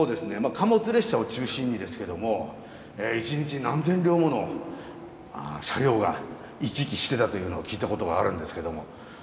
貨物列車を中心にですけども１日何千両もの車両が行き来してたというのを聞いたことがあるんですけども。